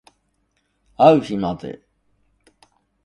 あう日まで